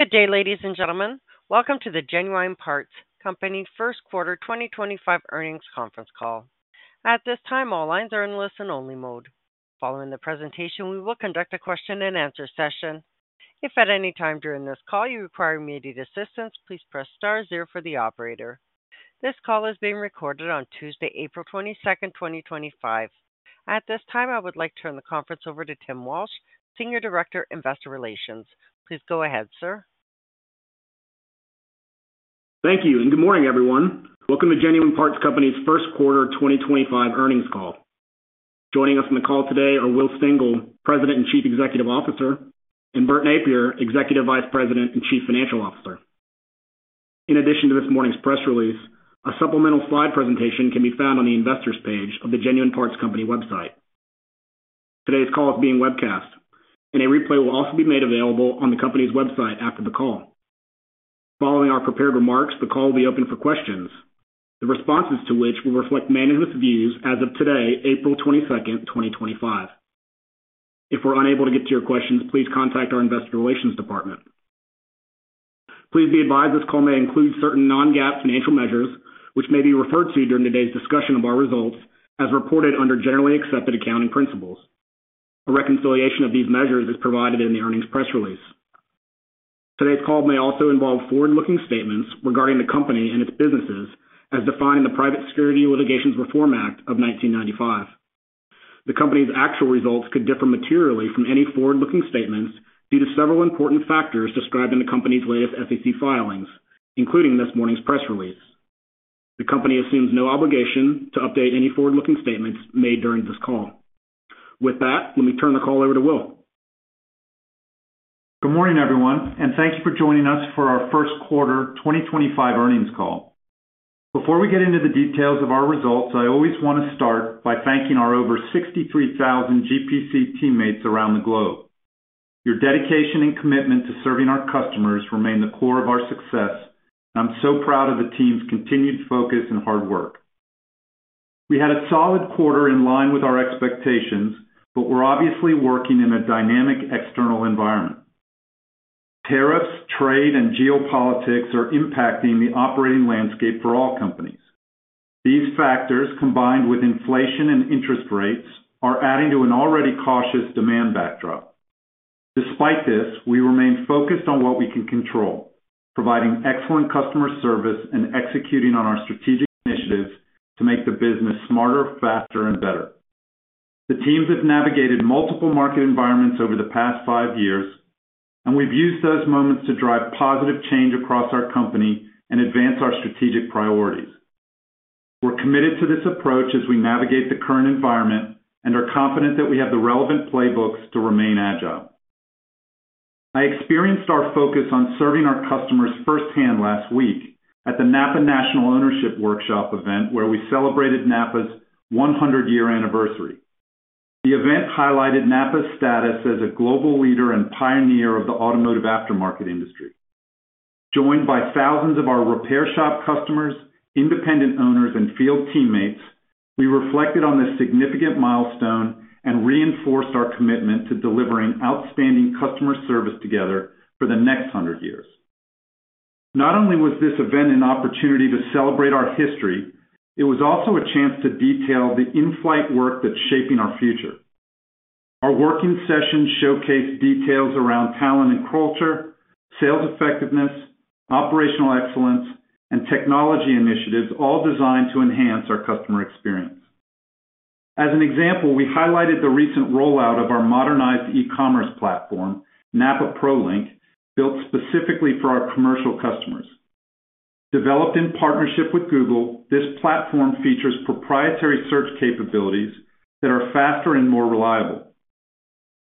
Good day, ladies and gentlemen. Welcome to the Genuine Parts Company First Quarter 2025 Earnings Conference Call. At this time, all lines are in listen-only mode. Following the presentation, we will conduct a question-and-answer session. If at any time during this call you require immediate assistance, please press star zero for the operator. This call is being recorded on Tuesday, April 22nd, 2025. At this time, I would like to turn the conference over to Tim Walsh, Senior Director, Investor Relations. Please go ahead, sir. Thank you, and good morning, everyone. Welcome to Genuine Parts Company's First Quarter 2025 Earnings all. Joining us on the call today are Will Stengel, President and Chief Executive Officer, and Bert Nappier, Executive Vice President and Chief Financial Officer. In addition to this morning's press release, a supplemental slide presentation can be found on the investors' page of the Genuine Parts Company website. Today's call is being webcast, and a replay will also be made available on the company's website after the call. Following our prepared remarks, the call will be open for questions, the responses to which will reflect management's views as of today, April 22nd, 2025. If we're unable to get to your questions, please contact our investor relations department. Please be advised this call may include certain non-GAAP financial measures, which may be referred to during today's discussion of our results as reported under generally accepted accounting principles. A reconciliation of these measures is provided in the earnings press release. Today's call may also involve forward-looking statements regarding the company and its businesses as defined in the Private Securities Litigation Reform Act of 1995. The company's actual results could differ materially from any forward-looking statements due to several important factors described in the company's latest SEC filings, including this morning's press release. The company assumes no obligation to update any forward-looking statements made during this call. With that, let me turn the call over to Will. Good morning, everyone, and thank you for joining us for our first quarter 2025 earnings call. Before we get into the details of our results, I always want to start by thanking our over 63,000 GPC teammates around the globe. Your dedication and commitment to serving our customers remain the core of our success, and I'm so proud of the team's continued focus and hard work. We had a solid quarter in line with our expectations, but we're obviously working in a dynamic external environment. Tariffs, trade, and geopolitics are impacting the operating landscape for all companies. These factors, combined with inflation and interest rates, are adding to an already cautious demand backdrop. Despite this, we remain focused on what we can control, providing excellent customer service and executing on our strategic initiatives to make the business smarter, faster, and better. The teams have navigated multiple market environments over the past five years, and we've used those moments to drive positive change across our company and advance our strategic priorities. We're committed to this approach as we navigate the current environment and are confident that we have the relevant playbooks to remain agile. I experienced our focus on serving our customers firsthand last week at the NAPA National Ownership Workshop event, where we celebrated NAPA's 100-year anniversary. The event highlighted NAPA's status as a global leader and pioneer of the automotive aftermarket industry. Joined by thousands of our repair shop customers, independent owners, and field teammates, we reflected on this significant milestone and reinforced our commitment to delivering outstanding customer service together for the next 100 years. Not only was this event an opportunity to celebrate our history, it was also a chance to detail the in-flight work that's shaping our future. Our working sessions showcased details around talent and culture, sales effectiveness, operational excellence, and technology initiatives, all designed to enhance our customer experience. As an example, we highlighted the recent rollout of our modernized e-commerce platform, NAPA ProLink, built specifically for our commercial customers. Developed in partnership with Google, this platform features proprietary search capabilities that are faster and more reliable.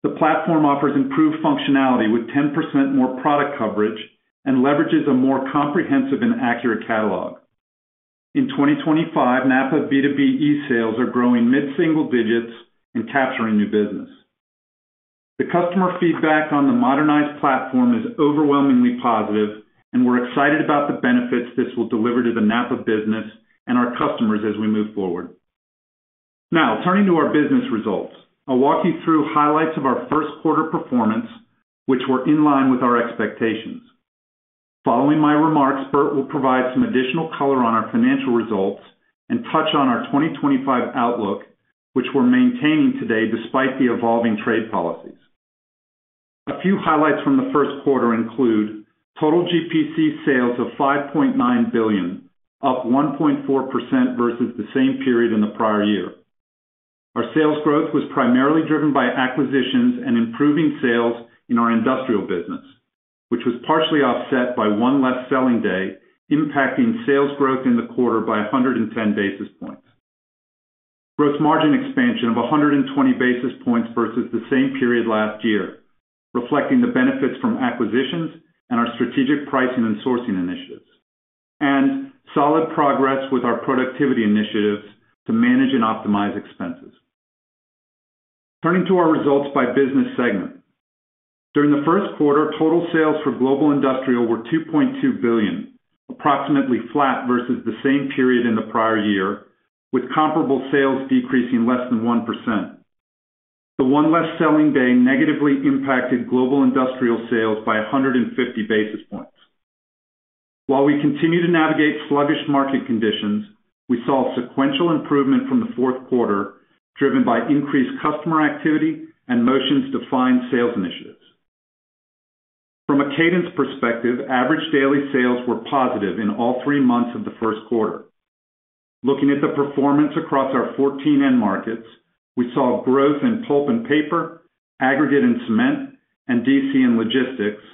The platform offers improved functionality with 10% more product coverage and leverages a more comprehensive and accurate catalog. In 2025, NAPA B2B e-sales are growing mid-single digits and capturing new business. The customer feedback on the modernized platform is overwhelmingly positive, and we're excited about the benefits this will deliver to the NAPA business and our customers as we move forward. Now, turning to our business results, I'll walk you through highlights of our first quarter performance, which were in line with our expectations. Following my remarks, Bert will provide some additional color on our financial results and touch on our 2025 outlook, which we're maintaining today despite the evolving trade policies. A few highlights from the first quarter include total GPC sales of $5.9 billion, up 1.4% versus the same period in the prior year. Our sales growth was primarily driven by acquisitions and improving sales in our industrial business, which was partially offset by one less selling day, impacting sales growth in the quarter by 110 basis points. Gross margin expansion of 120 basis points versus the same period last year, reflecting the benefits from acquisitions and our strategic pricing and sourcing initiatives, and solid progress with our productivity initiatives to manage and optimize expenses. Turning to our results by business segment, during the first quarter, total sales for global industrial were $2.2 billion, approximately flat versus the same period in the prior year, with comparable sales decreasing less than 1%. The one less selling day negatively impacted global industrial sales by 150 basis points. While we continue to navigate sluggish market conditions, we saw sequential improvement from the fourth quarter, driven by increased customer activity and Motion's defined sales initiatives. From a cadence perspective, average daily sales were positive in all three months of the first quarter. Looking at the performance across our 14 end markets, we saw growth in pulp and paper, aggregate and cement, and DC and logistics,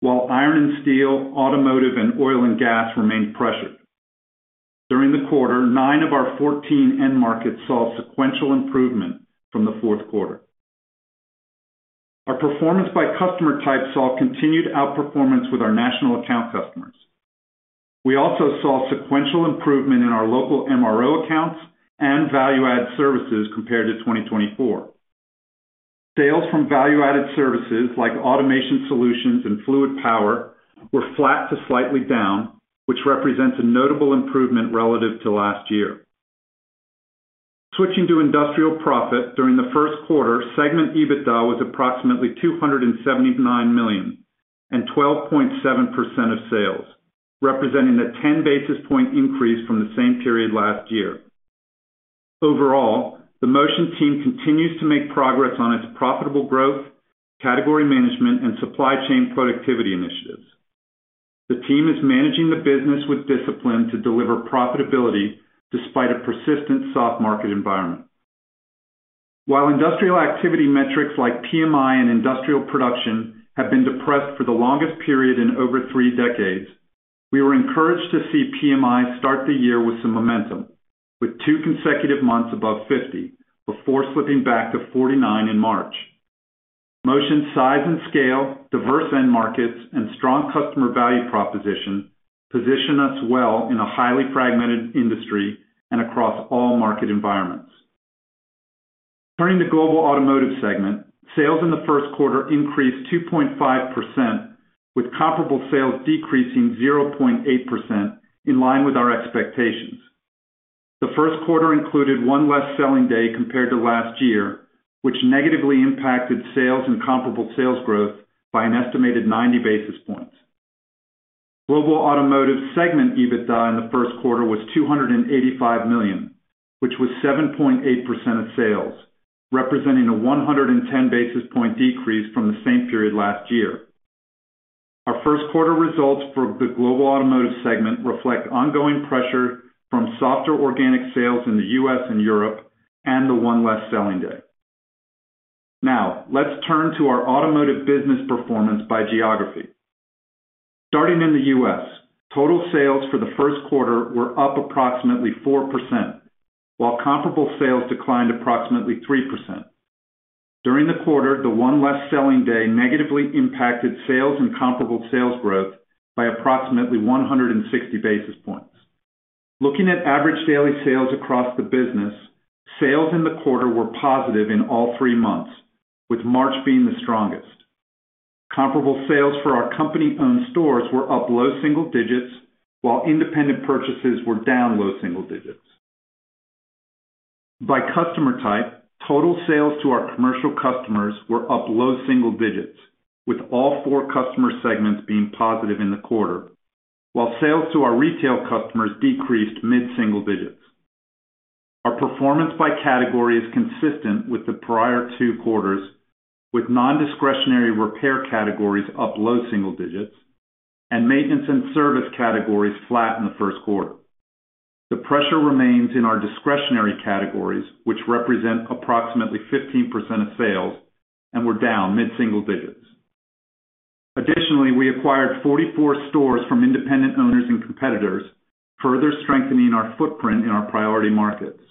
while iron and steel, automotive, and oil and gas remained pressured. During the quarter, nine of our 14 end markets saw sequential improvement from the fourth quarter. Our performance by customer type saw continued outperformance with our national account customers. We also saw sequential improvement in our local MRO accounts and value-added services compared to 2024. Sales from value-added services like automation solutions and fluid power were flat to slightly down, which represents a notable improvement relative to last year. Switching to industrial profit, during the first quarter, segment EBITDA was approximately $279 million and 12.7% of sales, representing a 10 basis point increase from the same period last year. Overall, the Motion team continues to make progress on its profitable growth, category management, and supply chain productivity initiatives. The team is managing the business with discipline to deliver profitability despite a persistent soft market environment. While industrial activity metrics like PMI and industrial production have been depressed for the longest period in over three decades, we were encouraged to see PMI start the year with some momentum, with two consecutive months above 50 before slipping back to 49 in March. Motion's size and scale, diverse end markets, and strong customer value proposition position us well in a highly fragmented industry and across all market environments. Turning to global automotive segment, sales in the first quarter increased 2.5%, with comparable sales decreasing 0.8% in line with our expectations. The first quarter included one less selling day compared to last year, which negatively impacted sales and comparable sales growth by an estimated 90 basis points. Global automotive segment EBITDA in the first quarter was $285 million, which was 7.8% of sales, representing a 110 basis point decrease from the same period last year. Our first quarter results for the global automotive segment reflect ongoing pressure from softer organic sales in the U.S. and Europe and the one less selling day. Now, let's turn to our automotive business performance by geography. Starting in the U.S., total sales for the first quarter were up approximately 4%, while comparable sales declined approximately 3%. During the quarter, the one less selling day negatively impacted sales and comparable sales growth by approximately 160 basis points. Looking at average daily sales across the business, sales in the quarter were positive in all three months, with March being the strongest. Comparable sales for our company-owned stores were up low-single-digits, while independent purchases were down low-single-digits. By customer type, total sales to our commercial customers were up low-single-digits, with all four customer segments being positive in the quarter, while sales to our retail customers decreased mid-single-digits. Our performance by category is consistent with the prior two quarters, with non-discretionary repair categories up low-single-digits and maintenance and service categories flat in the first quarter. The pressure remains in our discretionary categories, which represent approximately 15% of sales, and were down mid-single-digits. Additionally, we acquired 44 stores from independent owners and competitors, further strengthening our footprint in our priority markets.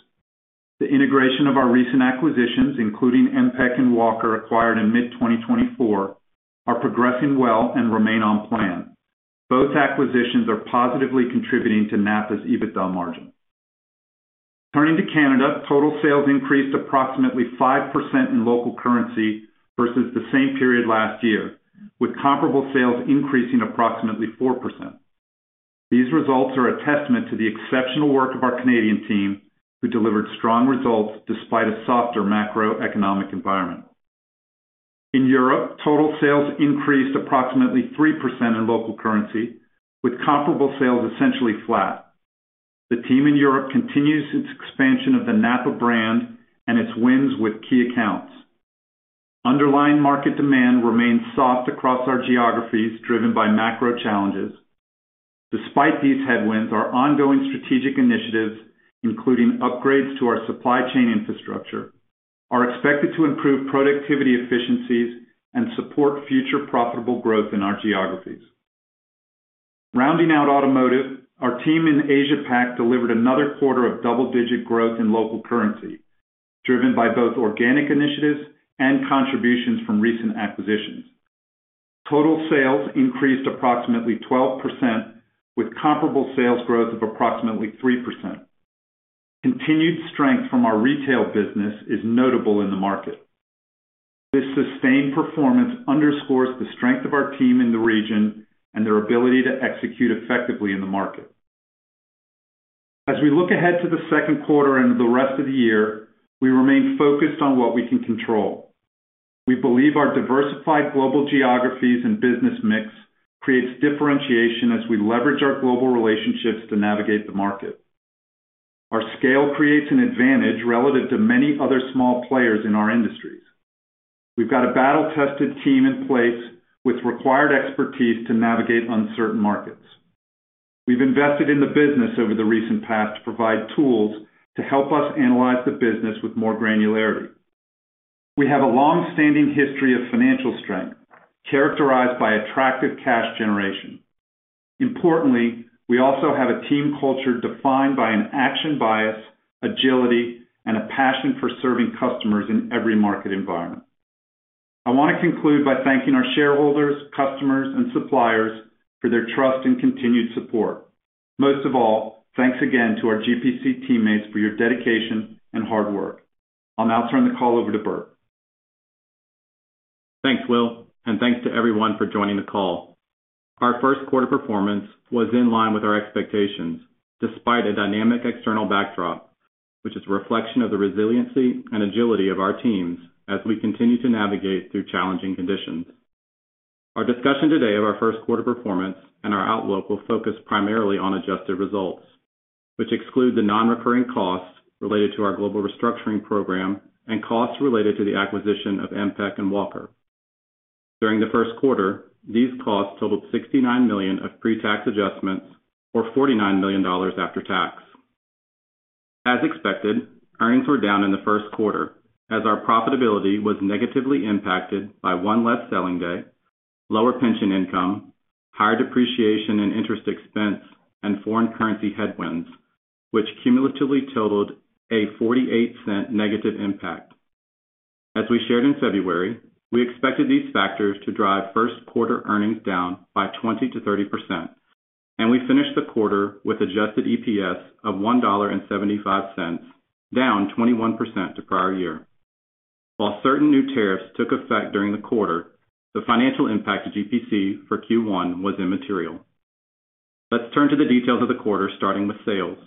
The integration of our recent acquisitions, including MPEC and Walker, acquired in mid-2024, are progressing well and remain on plan. Both acquisitions are positively contributing to NAPA's EBITDA margin. Turning to Canada, total sales increased approximately 5% in local currency versus the same period last year, with comparable sales increasing approximately 4%. These results are a testament to the exceptional work of our Canadian team, who delivered strong results despite a softer macroeconomic environment. In Europe, total sales increased approximately 3% in local currency, with comparable sales essentially flat. The team in Europe continues its expansion of the NAPA brand and its wins with key accounts. Underlying market demand remains soft across our geographies, driven by macro challenges. Despite these headwinds, our ongoing strategic initiatives, including upgrades to our supply chain infrastructure, are expected to improve productivity efficiencies and support future profitable growth in our geographies. Rounding out automotive, our team in Asia-Pacific delivered another quarter of double-digit growth in local currency, driven by both organic initiatives and contributions from recent acquisitions. Total sales increased approximately 12%, with comparable sales growth of approximately 3%. Continued strength from our retail business is notable in the market. This sustained performance underscores the strength of our team in the region and their ability to execute effectively in the market. As we look ahead to the second quarter and the rest of the year, we remain focused on what we can control. We believe our diversified global geographies and business mix creates differentiation as we leverage our global relationships to navigate the market. Our scale creates an advantage relative to many other small players in our industries. We've got a battle-tested team in place with required expertise to navigate uncertain markets. We've invested in the business over the recent past to provide tools to help us analyze the business with more granularity. We have a long-standing history of financial strength characterized by attractive cash generation. Importantly, we also have a team culture defined by an action bias, agility, and a passion for serving customers in every market environment. I want to conclude by thanking our shareholders, customers, and suppliers for their trust and continued support. Most of all, thanks again to our GPC teammates for your dedication and hard work. I'll now turn the call over to Bert. Thanks, Will, and thanks to everyone for joining the call. Our first quarter performance was in line with our expectations despite a dynamic external backdrop, which is a reflection of the resiliency and agility of our teams as we continue to navigate through challenging conditions. Our discussion today of our first quarter performance and our outlook will focus primarily on adjusted results, which exclude the non-recurring costs related to our global restructuring program and costs related to the acquisition of MPEC and Walker. During the first quarter, these costs totaled $69 million of pre-tax adjustments or $49 million after tax. As expected, earnings were down in the first quarter as our profitability was negatively impacted by one less selling day, lower pension income, higher depreciation and interest expense, and foreign currency headwinds, which cumulatively totaled a $0.48 negative impact. As we shared in February, we expected these factors to drive first quarter earnings down by 20%-30%, and we finished the quarter with adjusted EPS of $1.75, down 21% to prior year. While certain new tariffs took effect during the quarter, the financial impact to GPC for Q1 was immaterial. Let's turn to the details of the quarter, starting with sales.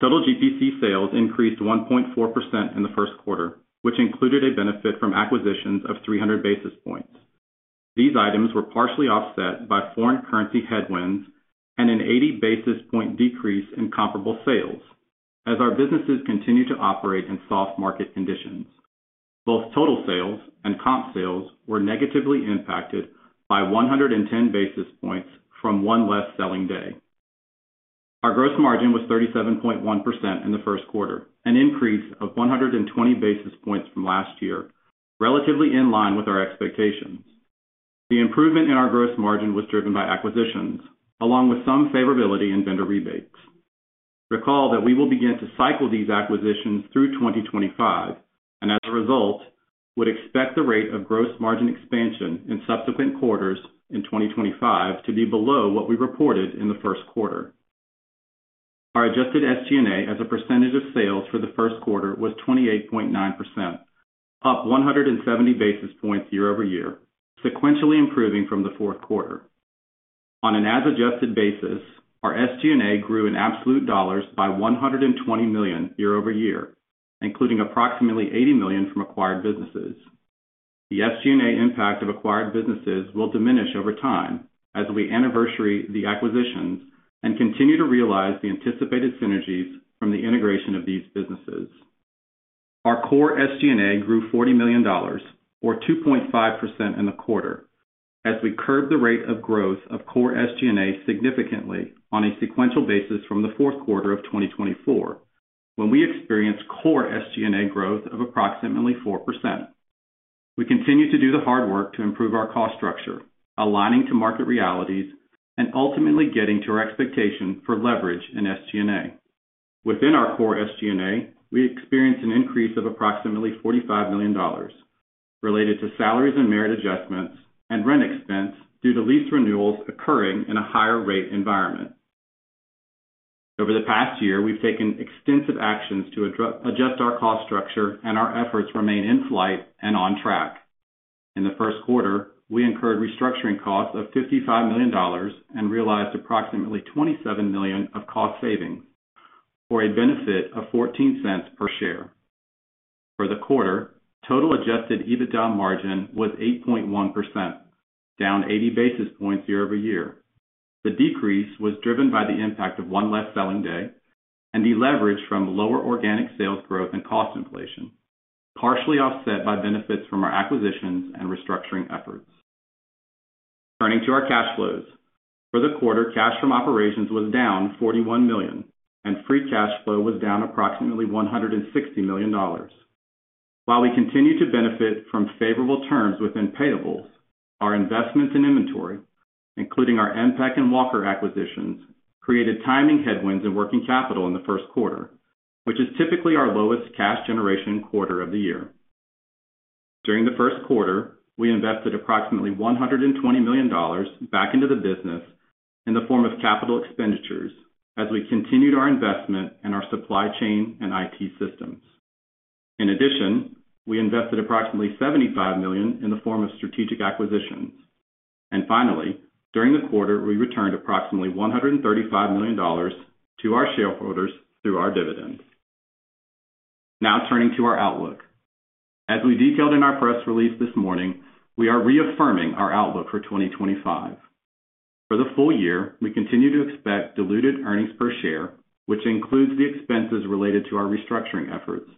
Total GPC sales increased 1.4% in the first quarter, which included a benefit from acquisitions of 300 basis points. These items were partially offset by foreign currency headwinds and an 80 basis point decrease in comparable sales as our businesses continue to operate in soft market conditions. Both total sales and comp sales were negatively impacted by 110 basis points from one less selling day. Our gross margin was 37.1% in the first quarter, an increase of 120 basis points from last year, relatively in line with our expectations. The improvement in our gross margin was driven by acquisitions, along with some favorability in vendor rebates. Recall that we will begin to cycle these acquisitions through 2025, and as a result, would expect the rate of gross margin expansion in subsequent quarters in 2025 to be below what we reported in the first quarter. Our adjusted SG&A as a percentage of sales for the first quarter was 28.9%, up 170 basis points year-over-year, sequentially improving from the fourth quarter. On an as-adjusted basis, our SG&A grew in absolute dollars by $120 million year-over-year, including approximately $80 million from acquired businesses. The SG&A impact of acquired businesses will diminish over time as we anniversary the acquisitions and continue to realize the anticipated synergies from the integration of these businesses. Our core SG&A grew $40 million, or 2.5% in the quarter, as we curbed the rate of growth of core SG&A significantly on a sequential basis from the fourth quarter of 2024, when we experienced core SG&A growth of approximately 4%. We continue to do the hard work to improve our cost structure, aligning to market realities, and ultimately getting to our expectation for leverage in SG&A. Within our core SG&A, we experienced an increase of approximately $45 million related to salaries and merit adjustments and rent expense due to lease renewals occurring in a higher-rate environment. Over the past year, we've taken extensive actions to adjust our cost structure, and our efforts remain in flight and on track. In the first quarter, we incurred restructuring costs of $55 million and realized approximately $27 million of cost savings for a benefit of $0.14 per share. For the quarter, total adjusted EBITDA margin was 8.1%, down 80 basis points year-over-year. The decrease was driven by the impact of one less selling day and the leverage from lower organic sales growth and cost inflation, partially offset by benefits from our acquisitions and restructuring efforts. Turning to our cash flows, for the quarter, cash from operations was down $41 million, and free cash flow was down approximately $160 million. While we continue to benefit from favorable terms within payables, our investments in inventory, including our MPEC and Walker acquisitions, created timing headwinds in working capital in the first quarter, which is typically our lowest cash generation quarter of the year. During the first quarter, we invested approximately $120 million back into the business in the form of capital expenditures as we continued our investment in our supply chain and IT systems. In addition, we invested approximately $75 million in the form of strategic acquisitions. Finally, during the quarter, we returned approximately $135 million to our shareholders through our dividends. Now, turning to our outlook. As we detailed in our press release this morning, we are reaffirming our outlook for 2025. For the full year, we continue to expect diluted earnings per share, which includes the expenses related to our restructuring efforts,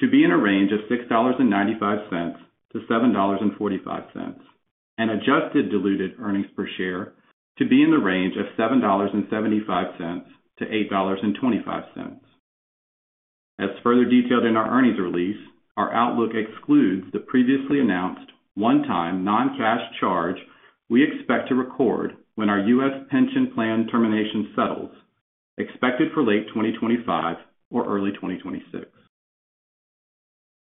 to be in a range of $6.95-$7.45, and adjusted diluted earnings per share to be in the range of $7.75-$8.25. As further detailed in our earnings release, our outlook excludes the previously announced one-time non-cash charge we expect to record when our U.S. pension plan termination settles, expected for late 2025 or early 2026.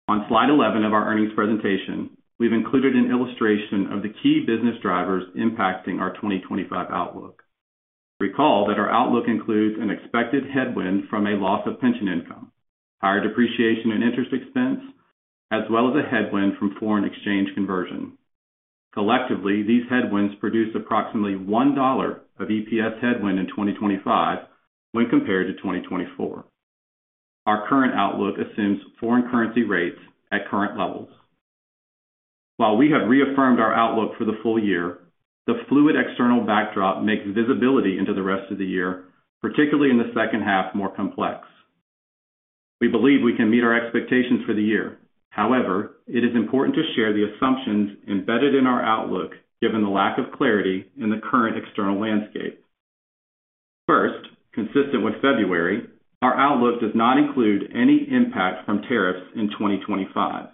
On slide 11 of our earnings presentation, we've included an illustration of the key business drivers impacting our 2025 outlook. Recall that our outlook includes an expected headwind from a loss of pension income, higher depreciation and interest expense, as well as a headwind from foreign exchange conversion. Collectively, these headwinds produce approximately $1 of EPS headwind in 2025 when compared to 2024. Our current outlook assumes foreign currency rates at current levels. While we have reaffirmed our outlook for the full year, the fluid external backdrop makes visibility into the rest of the year, particularly in the second half, more complex. We believe we can meet our expectations for the year. However, it is important to share the assumptions embedded in our outlook, given the lack of clarity in the current external landscape. First, consistent with February, our outlook does not include any impact from tariffs in 2025.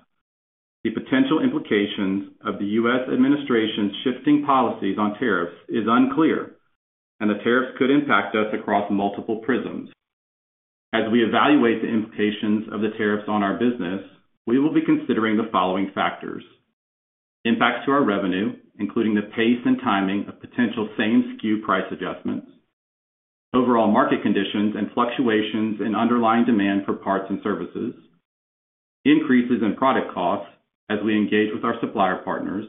The potential implications of the U.S. administration's shifting policies on tariffs are unclear, and the tariffs could impact us across multiple prisms. As we evaluate the implications of the tariffs on our business, we will be considering the following factors: impacts to our revenue, including the pace and timing of potential same-skew price adjustments, overall market conditions and fluctuations in underlying demand for parts and services, increases in product costs as we engage with our supplier partners,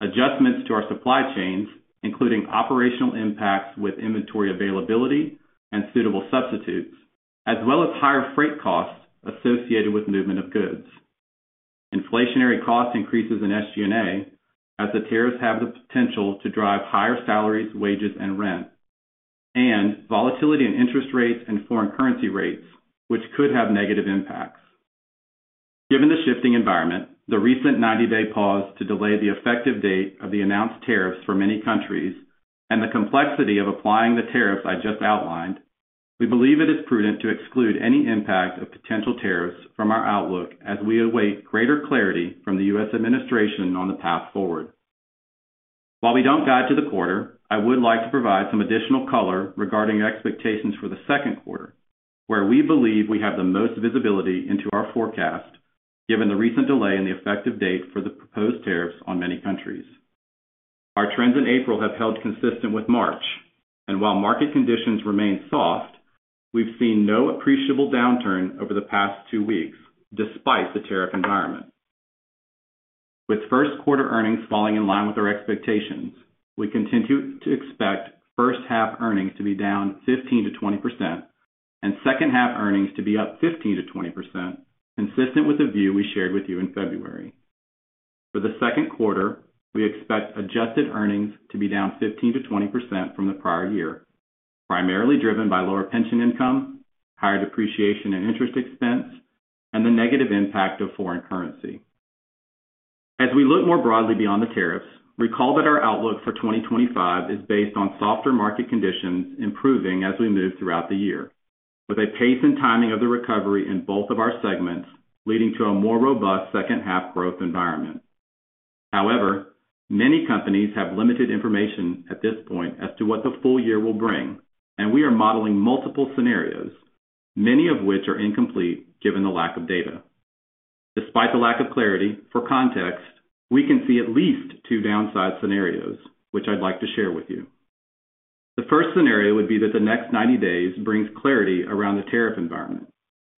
adjustments to our supply chains, including operational impacts with inventory availability and suitable substitutes, as well as higher freight costs associated with movement of goods, inflationary cost increases in SG&A, as the tariffs have the potential to drive higher salaries, wages, and rent, and volatility in interest rates and foreign currency rates, which could have negative impacts. Given the shifting environment, the recent 90-day pause to delay the effective date of the announced tariffs for many countries, and the complexity of applying the tariffs I just outlined, we believe it is prudent to exclude any impact of potential tariffs from our outlook as we await greater clarity from the U.S. administration on the path forward. While we don't guide to the quarter, I would like to provide some additional color regarding expectations for the second quarter, where we believe we have the most visibility into our forecast, given the recent delay in the effective date for the proposed tariffs on many countries. Our trends in April have held consistent with March, and while market conditions remain soft, we've seen no appreciable downturn over the past two weeks, despite the tariff environment. With first quarter earnings falling in line with our expectations, we continue to expect first-half earnings to be down 15%-20% and second-half earnings to be up 15%-20%, consistent with the view we shared with you in February. For the second quarter, we expect adjusted earnings to be down 15%-20% from the prior year, primarily driven by lower pension income, higher depreciation and interest expense, and the negative impact of foreign currency. As we look more broadly beyond the tariffs, recall that our outlook for 2025 is based on softer market conditions improving as we move throughout the year, with a pace and timing of the recovery in both of our segments leading to a more robust second-half growth environment. However, many companies have limited information at this point as to what the full year will bring, and we are modeling multiple scenarios, many of which are incomplete given the lack of data. Despite the lack of clarity, for context, we can see at least two downside scenarios, which I'd like to share with you. The first scenario would be that the next 90 days brings clarity around the tariff environment,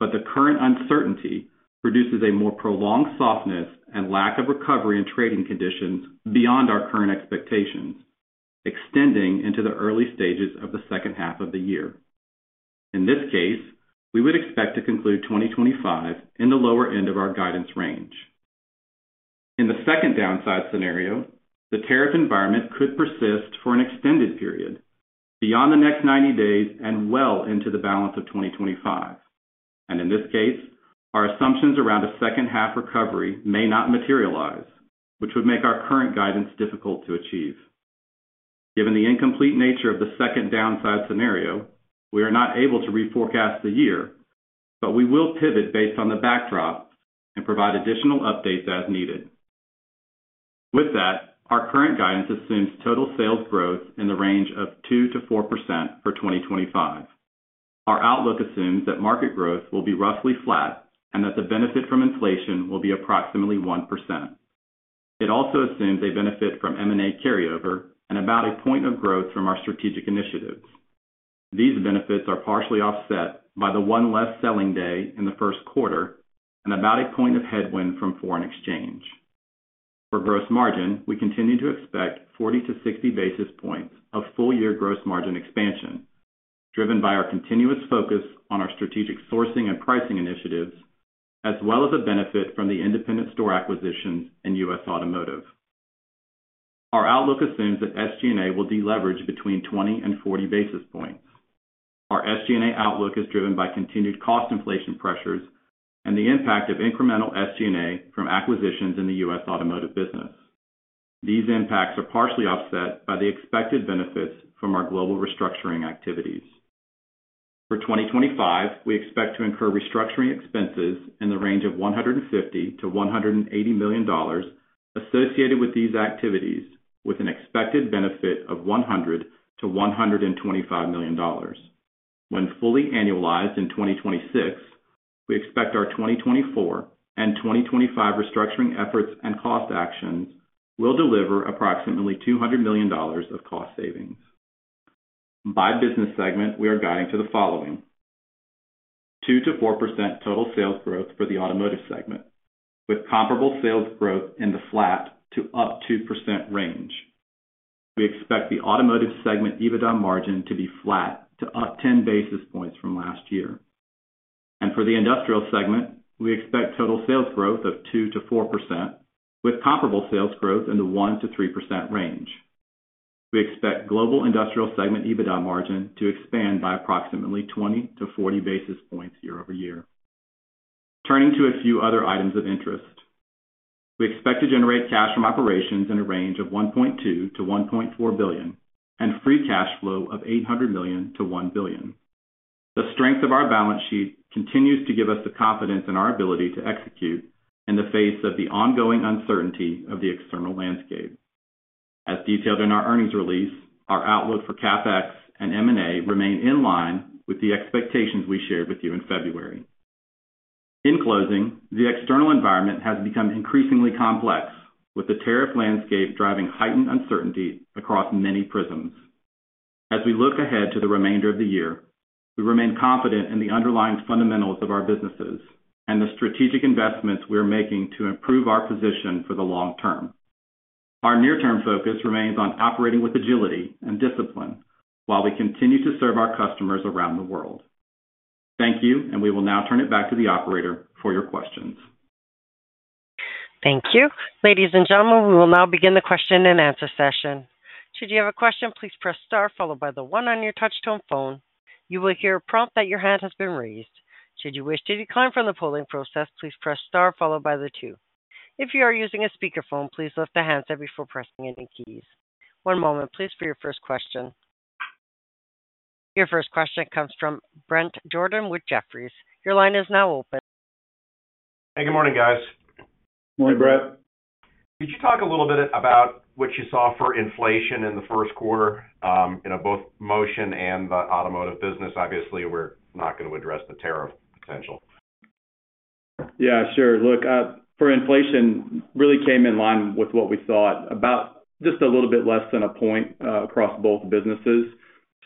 but the current uncertainty produces a more prolonged softness and lack of recovery in trading conditions beyond our current expectations, extending into the early stages of the second half of the year. In this case, we would expect to conclude 2025 in the lower end of our guidance range. In the second downside scenario, the tariff environment could persist for an extended period beyond the next 90 days and well into the balance of 2025. In this case, our assumptions around a second-half recovery may not materialize, which would make our current guidance difficult to achieve. Given the incomplete nature of the second downside scenario, we are not able to reforecast the year, but we will pivot based on the backdrop and provide additional updates as needed. With that, our current guidance assumes total sales growth in the range of 2%-4% for 2025. Our outlook assumes that market growth will be roughly flat and that the benefit from inflation will be approximately 1%. It also assumes a benefit from M&A carryover and about a point of growth from our strategic initiatives. These benefits are partially offset by the one less selling day in the first quarter and about a point of headwind from foreign exchange. For gross margin, we continue to expect 40 basis points -60 basis points of full-year gross margin expansion, driven by our continuous focus on our strategic sourcing and pricing initiatives, as well as a benefit from the independent store acquisitions in U.S. automotive. Our outlook assumes that SG&A will deleverage between 20 basis points and 40 basis points. Our SG&A outlook is driven by continued cost inflation pressures and the impact of incremental SG&A from acquisitions in the U.S. automotive business. These impacts are partially offset by the expected benefits from our global restructuring activities. For 2025, we expect to incur restructuring expenses in the range of $150 million-$180 million associated with these activities, with an expected benefit of $100 million-$125 million. When fully annualized in 2026, we expect our 2024 and 2025 restructuring efforts and cost actions will deliver approximately $200 million of cost savings. By business segment, we are guiding to the following: 2%-4% total sales growth for the automotive segment, with comparable sales growth in the flat to up 2% range. We expect the automotive segment EBITDA margin to be flat to up 10 basis points from last year. For the industrial segment, we expect total sales growth of 2%-4%, with comparable sales growth in the 1%-3% range. We expect global industrial segment EBITDA margin to expand by approximately 20 basis points-40 basis points year-over-year. Turning to a few other items of interest, we expect to generate cash from operations in a range of $1.2 billion-$1.4 billion and free cash flow of $800 million-$1 billion. The strength of our balance sheet continues to give us the confidence in our ability to execute in the face of the ongoing uncertainty of the external landscape. As detailed in our earnings release, our outlook for CapEx and M&A remain in line with the expectations we shared with you in February. In closing, the external environment has become increasingly complex, with the tariff landscape driving heightened uncertainty across many prisms. As we look ahead to the remainder of the year, we remain confident in the underlying fundamentals of our businesses and the strategic investments we are making to improve our position for the long term. Our near-term focus remains on operating with agility and discipline while we continue to serve our customers around the world. Thank you, and we will now turn it back to the operator for your questions. Thank you. Ladies and gentlemen, we will now begin the question and answer session. Should you have a question, please press star followed by the one on your touch-tone phone. You will hear a prompt that your hand has been raised. Should you wish to decline from the polling process, please press star followed by the two. If you are using a speakerphone, please lift the hands before pressing any keys. One moment, please, for your first question. Your first question comes from Bret Jordan with Jefferies. Your line is now open. Hey, good morning, guys. Morning, Bret. Could you talk a little bit about what you saw for inflation in the first quarter, both Motion and the automotive business? Obviously, we're not going to address the tariff potential. Yeah, sure. Look, for inflation, it really came in line with what we thought, about just a little bit less than a point across both businesses.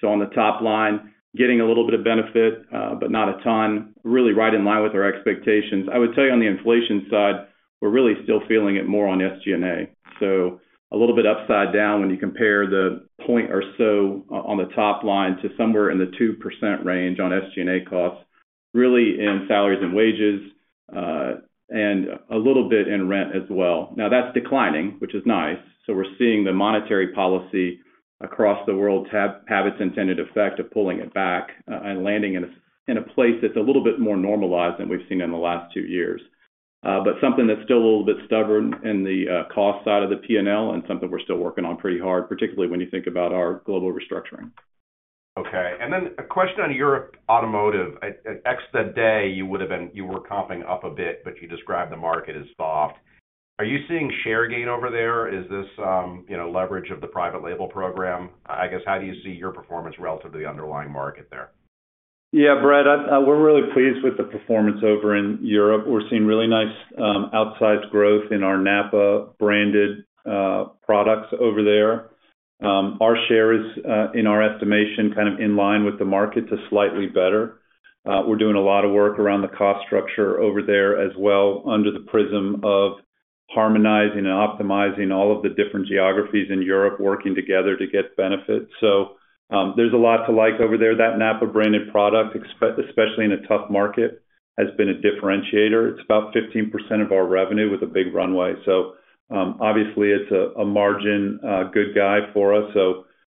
On the top line, getting a little bit of benefit, but not a ton, really right in line with our expectations. I would tell you on the inflation side, we're really still feeling it more on SG&A. A little bit upside down when you compare the point or so on the top line to somewhere in the 2% range on SG&A costs, really in salaries and wages, and a little bit in rent as well. Now, that's declining, which is nice. We are seeing the monetary policy across the world have its intended effect of pulling it back and landing in a place that's a little bit more normalized than we've seen in the last two years. Something that's still a little bit stubborn in the cost side of the P&L and something we're still working on pretty hard, particularly when you think about our global restructuring. Okay. A question on your automotive, it's the day, you were comping up a bit, but you described the market as soft. Are you seeing share gain over there? Is this leverage of the private label program? I guess, how do you see your performance relative to the underlying market there? Yeah, Bret. We're really pleased with the performance over in Europe. We're seeing really nice outsized growth in our NAPA branded products over there. Our share is, in our estimation, kind of in line with the market, just slightly better. We're doing a lot of work around the cost structure over there as well, under the prism of harmonizing and optimizing all of the different geographies in Europe, working together to get benefits. There is a lot to like over there. That NAPA branded product, especially in a tough market, has been a differentiator. It's about 15% of our revenue with a big runway. Obviously, it's a margin good guy for us.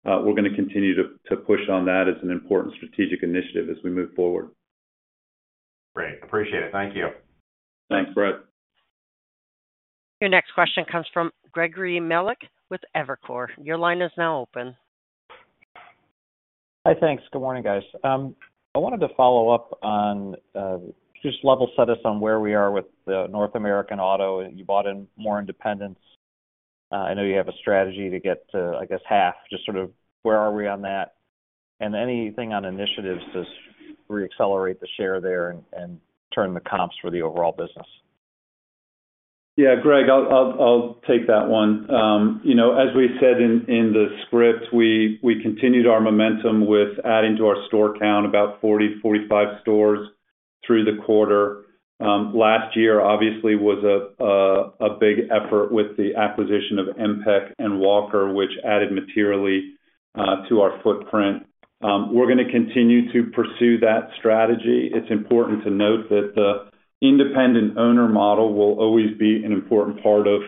We're going to continue to push on that as an important strategic initiative as we move forward. Great. Appreciate it. Thank you. Thanks, Bret. Your next question comes from Gregory Mellick with Evercore. Your line is now open. Hi, thanks. Good morning, guys. I wanted to follow up on just level set us on where we are with North American Auto. You bought in more independents. I know you have a strategy to get to, I guess, half. Just sort of where are we on that? Anything on initiatives to reaccelerate the share there and turn the comps for the overall business? Yeah, Greg, I'll take that one. As we said in the script, we continued our momentum with adding to our store count, about 40-45 stores through the quarter. Last year, obviously, was a big effort with the acquisition of MPEC and Walker, which added materially to our footprint. We're going to continue to pursue that strategy. It's important to note that the independent owner model will always be an important part of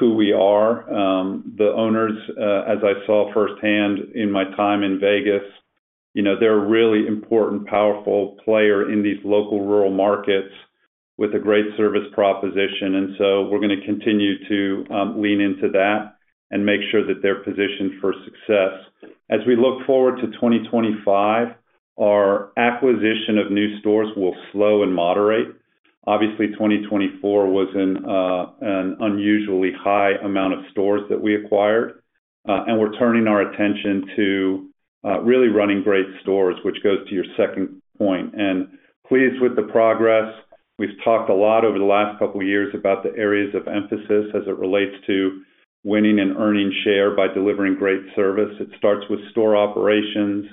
who we are. The owners, as I saw firsthand in my time in Las Vegas, they're a really important, powerful player in these local rural markets with a great service proposition. We are going to continue to lean into that and make sure that they are positioned for success. As we look forward to 2025, our acquisition of new stores will slow and moderate. Obviously, 2024 was an unusually high amount of stores that we acquired. We are turning our attention to really running great stores, which goes to your second point. I am pleased with the progress. We have talked a lot over the last couple of years about the areas of emphasis as it relates to winning and earning share by delivering great service. It starts with store operations,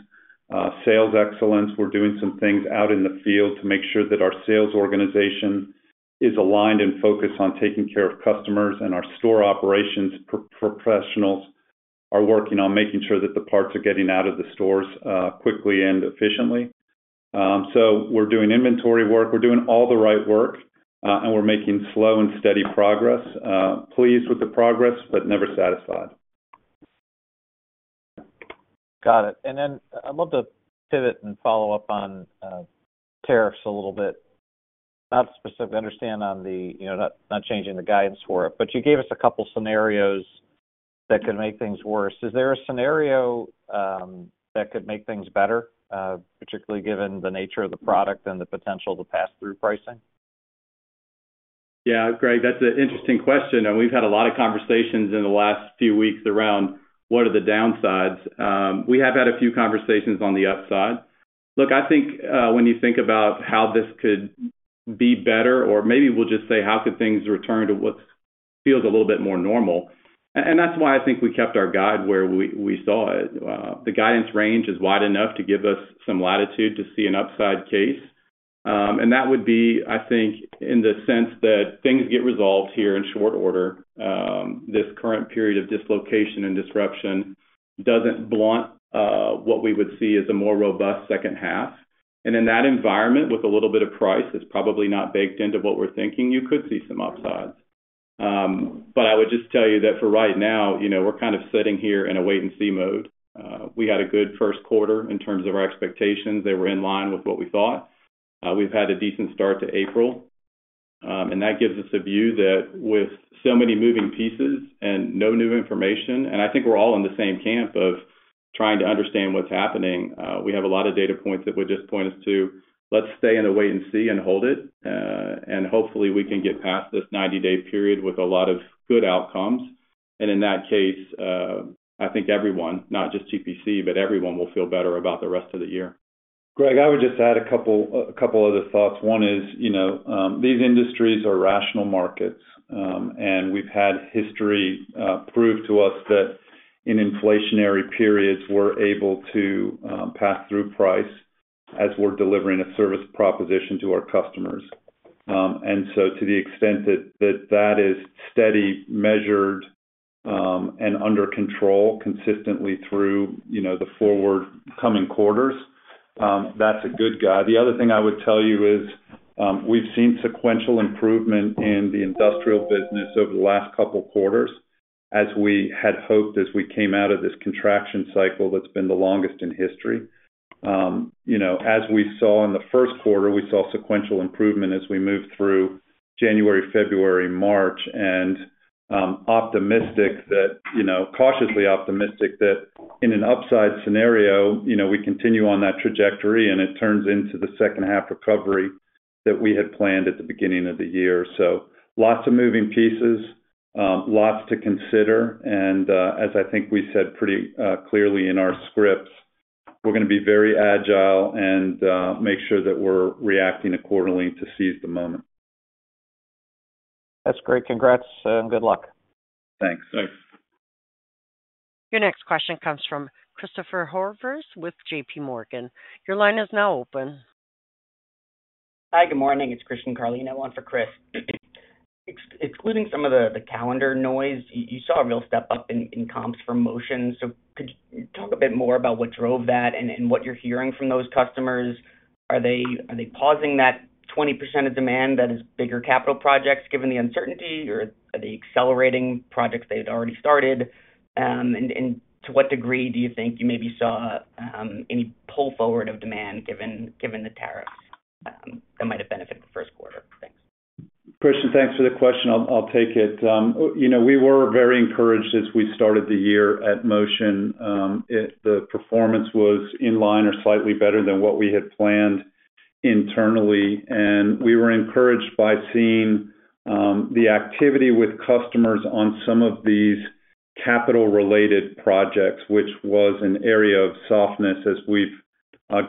sales excellence. We are doing some things out in the field to make sure that our sales organization is aligned and focused on taking care of customers, and our store operations professionals are working on making sure that the parts are getting out of the stores quickly and efficiently. We're doing inventory work. We're doing all the right work, and we're making slow and steady progress. Pleased with the progress, but never satisfied. Got it. I'd love to pivot and follow up on tariffs a little bit. Not specifically understand on the not changing the guidance for it, but you gave us a couple of scenarios that could make things worse. Is there a scenario that could make things better, particularly given the nature of the product and the potential to pass through pricing? Yeah, Greg, that's an interesting question. We've had a lot of conversations in the last few weeks around what are the downsides. We have had a few conversations on the upside. Look, I think when you think about how this could be better, or maybe we'll just say how could things return to what feels a little bit more normal. That is why I think we kept our guide where we saw it. The guidance range is wide enough to give us some latitude to see an upside case. That would be, I think, in the sense that things get resolved here in short order. This current period of dislocation and disruption does not blunt what we would see as a more robust second half. In that environment, with a little bit of price that is probably not baked into what we are thinking, you could see some upsides. I would just tell you that for right now, we are kind of sitting here in a wait-and-see mode. We had a good first quarter in terms of our expectations. They were in line with what we thought. We have had a decent start to April. That gives us a view that with so many moving pieces and no new information, and I think we're all in the same camp of trying to understand what's happening, we have a lot of data points that would just point us to, let's stay in the wait-and-see and hold it. Hopefully, we can get past this 90-day period with a lot of good outcomes. In that case, I think everyone, not just GPC, but everyone will feel better about the rest of the year. Greg, I would just add a couple of other thoughts. One is these industries are rational markets, and we've had history prove to us that in inflationary periods, we're able to pass through price as we're delivering a service proposition to our customers. To the extent that that is steady, measured, and under control consistently through the forward coming quarters, that's a good guide. The other thing I would tell you is we've seen sequential improvement in the industrial business over the last couple of quarters, as we had hoped as we came out of this contraction cycle that's been the longest in history. As we saw in the first quarter, we saw sequential improvement as we moved through January, February, March, and optimistic that, cautiously optimistic that in an upside scenario, we continue on that trajectory and it turns into the second half recovery that we had planned at the beginning of the year. Lots of moving pieces, lots to consider. As I think we said pretty clearly in our scripts, we're going to be very agile and make sure that we're reacting accordingly to seize the moment. That's great. Congrats and good luck. Thanks. Thanks. Your next question comes from Christopher Horvers with JP Morgan. Your line is now open. Hi, good morning. It's Christian Carlino on for Chris. Excluding some of the calendar noise, you saw a real step up in comps for Motion. Could you talk a bit more about what drove that and what you're hearing from those customers? Are they pausing that 20% of demand that is bigger capital projects given the uncertainty, or are they accelerating projects they had already started? To what degree do you think you maybe saw any pull forward of demand given the tariffs that might have benefited the first quarter? Thanks. Christian, thanks for the question. I'll take it. We were very encouraged as we started the year at Motion. The performance was in line or slightly better than what we had planned internally. We were encouraged by seeing the activity with customers on some of these capital-related projects, which was an area of softness as we've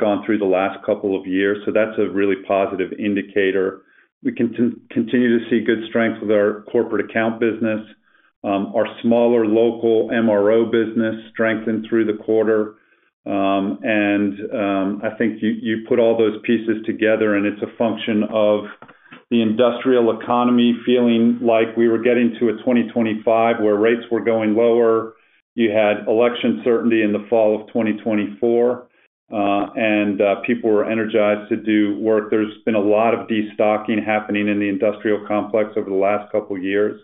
gone through the last couple of years. That is a really positive indicator. We continue to see good strength with our corporate account business, our smaller local MRO business strengthened through the quarter. I think you put all those pieces together, and it's a function of the industrial economy feeling like we were getting to a 2025 where rates were going lower. You had election certainty in the fall of 2024, and people were energized to do work. There's been a lot of destocking happening in the industrial complex over the last couple of years.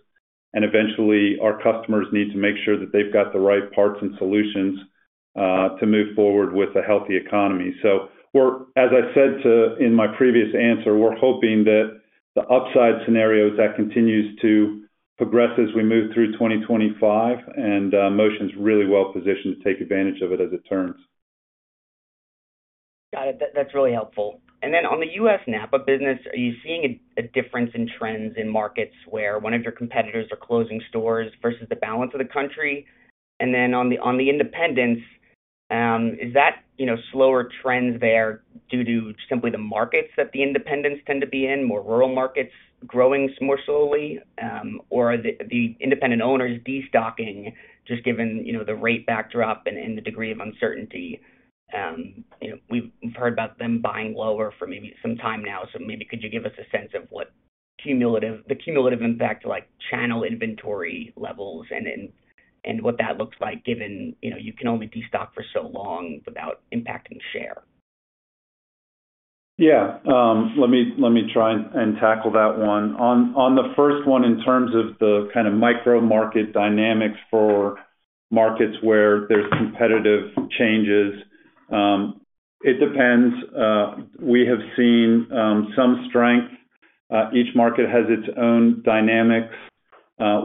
Eventually, our customers need to make sure that they've got the right parts and solutions to move forward with a healthy economy. As I said in my previous answer, we're hoping that the upside scenario is that continues to progress as we move through 2025, and Motion's really well positioned to take advantage of it as it turns. Got it. That's really helpful. On the U.S. NAPA business, are you seeing a difference in trends in markets where one of your competitors are closing stores versus the balance of the country? On the independents, is that slower trends there due to simply the markets that the independents tend to be in, more rural markets growing more slowly, or are the independent owners destocking just given the rate backdrop and the degree of uncertainty? We've heard about them buying lower for maybe some time now. Maybe could you give us a sense of what the cumulative impact like channel inventory levels and what that looks like given you can only destock for so long without impacting share? Yeah. Let me try and tackle that one. On the first one, in terms of the kind of micro market dynamics for markets where there's competitive changes, it depends. We have seen some strength. Each market has its own dynamics.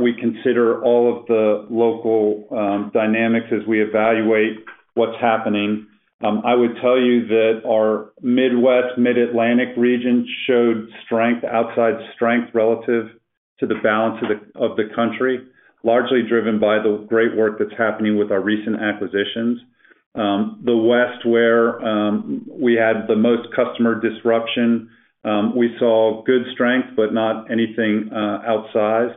We consider all of the local dynamics as we evaluate what's happening. I would tell you that our Midwest, Mid-Atlantic region showed strength, outside strength relative to the balance of the country, largely driven by the great work that's happening with our recent acquisitions. The West, where we had the most customer disruption, we saw good strength, but not anything outsized.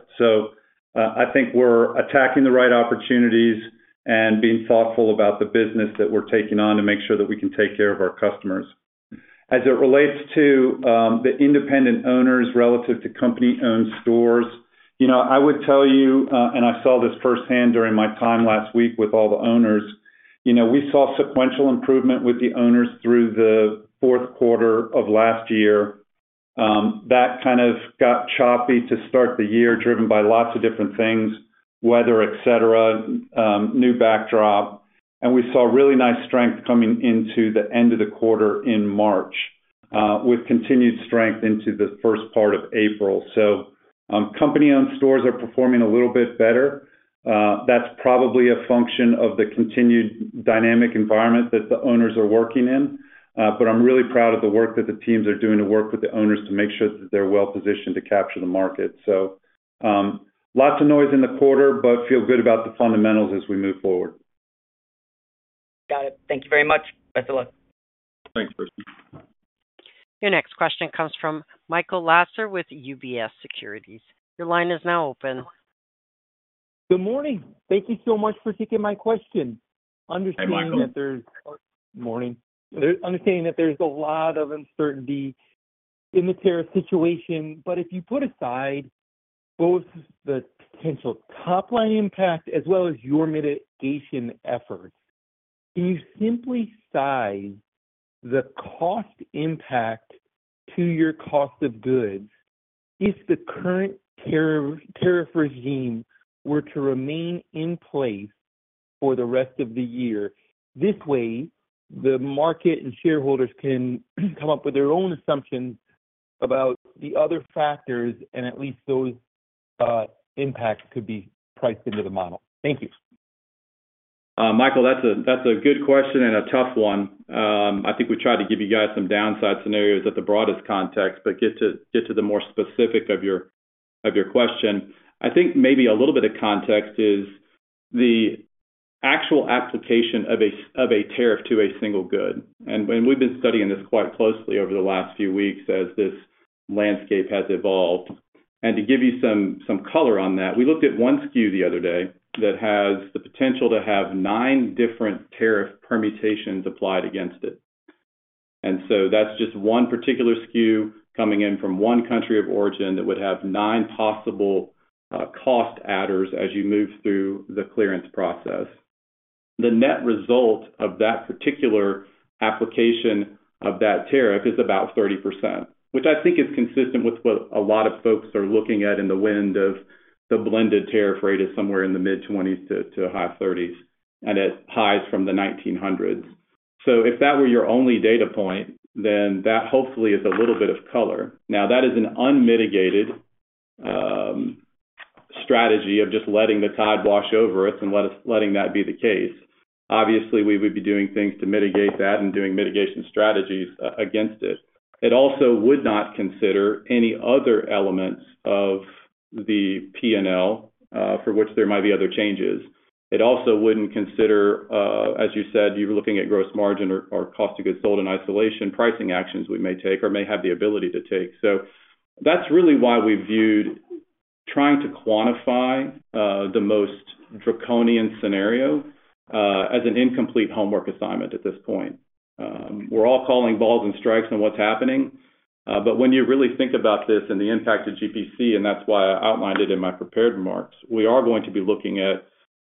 I think we're attacking the right opportunities and being thoughtful about the business that we're taking on to make sure that we can take care of our customers. As it relates to the independent owners relative to company-owned stores, I would tell you, and I saw this firsthand during my time last week with all the owners, we saw sequential improvement with the owners through the fourth quarter of last year. That kind of got choppy to start the year, driven by lots of different things, weather, etc., new backdrop. We saw really nice strength coming into the end of the quarter in March with continued strength into the first part of April. Company-owned stores are performing a little bit better. That's probably a function of the continued dynamic environment that the owners are working in. I'm really proud of the work that the teams are doing to work with the owners to make sure that they're well positioned to capture the market. Lots of noise in the quarter, but feel good about the fundamentals as we move forward. Got it. Thank you very much. Best of luck. Thanks, Christian. Your next question comes from Michael Lasser with UBS Securities. Your line is now open. Good morning. Thank you so much for taking my question. Understanding that there's a lot of uncertainty in the tariff situation. If you put aside both the potential top-line impact as well as your mitigation efforts, can you simply size the cost impact to your cost of goods if the current tariff regime were to remain in place for the rest of the year? This way, the market and shareholders can come up with their own assumptions about the other factors, and at least those impacts could be priced into the model. Thank you. Michael, that's a good question and a tough one. I think we tried to give you guys some downside scenarios at the broadest context, but get to the more specific of your question. I think maybe a little bit of context is the actual application of a tariff to a single good. We have been studying this quite closely over the last few weeks as this landscape has evolved. To give you some color on that, we looked at one SKU the other day that has the potential to have nine different tariff permutations applied against it. That is just one particular SKU coming in from one country of origin that would have nine possible cost adders as you move through the clearance process. The net result of that particular application of that tariff is about 30%, which I think is consistent with what a lot of folks are looking at in the wind of the blended tariff rate is somewhere in the mid-20s to high-30s and at highs from the 1900s. If that were your only data point, then that hopefully is a little bit of color. Now, that is an unmitigated strategy of just letting the tide wash over us and letting that be the case. Obviously, we would be doing things to mitigate that and doing mitigation strategies against it. It also would not consider any other elements of the P&L for which there might be other changes. It also would not consider, as you said, you are looking at gross margin or cost of goods sold in isolation, pricing actions we may take or may have the ability to take. That is really why we have viewed trying to quantify the most draconian scenario as an incomplete homework assignment at this point. We are all calling balls and strikes on what is happening. When you really think about this and the impact on GPC, and that is why I outlined it in my prepared remarks, we are going to be looking at